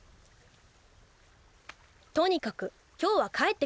とにかく今日は帰って下さい。